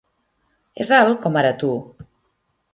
És alt com ara tu.